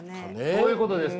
そういうことですか？